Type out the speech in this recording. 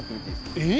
えっ？